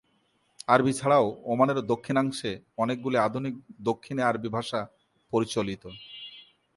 আরবি ছাড়াও ওমানের দক্ষিণাংশে অনেকগুলি আধুনিক দক্ষিণী আরবি ভাষা প্রচলিত।